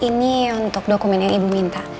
ini untuk dokumen yang ibu minta